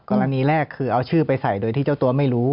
กรณีแรกคือเอาชื่อไปใส่โดยที่เจ้าตัวไม่รู้